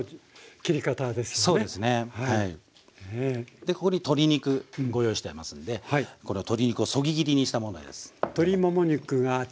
でここに鶏肉ご用意してありますんでこれは鶏肉をそぎ切りにしたものです。